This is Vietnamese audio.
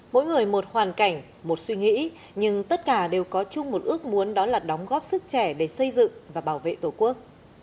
mỗi người một hoàn cảnh một suy nghĩ nhưng tất cả đều có chung một ước muốn đó là đóng góp sức trẻ để xây dựng và bảo vệ tổ quốc